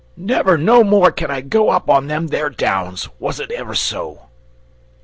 Never no more can I go up on them there Downs, was it ever so!"